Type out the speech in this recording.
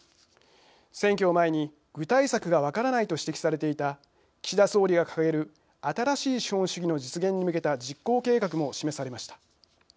選挙を前に具体策が分からないと指摘されていた岸田総理が掲げる新しい資本主義の実現に向けた実行計画も示されました。